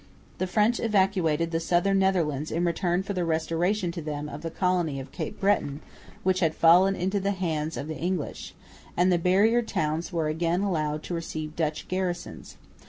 The French evacuated the southern Netherlands in return for the restoration to them of the colony of Cape Breton, which had fallen into the hands of the English; and the barrier towns were again allowed to receive Dutch garrisons.